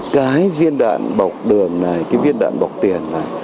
cái viên đạn bọc đường này cái viên đạn bọc tiền này